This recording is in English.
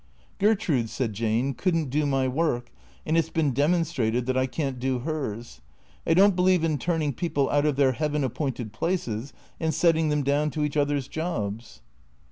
" Gertrude," said Jane, " could n't do my work, and it 's been demonstrated that I can't do hers. I don't believe in turning people out of their heaven appointed places and setting them down to each other's jobs."